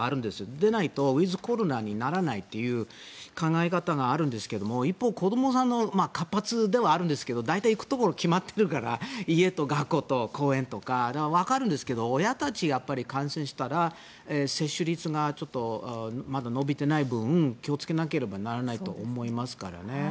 でないとウィズコロナにならないという考え方があるんですが一方、子どもさんも活発ではあるんですが大体行くところが決まっているから家と学校と公園とかわかるんですけど親が感染したら接種率がまだ伸びていない分気をつけないとならないと思いますからね。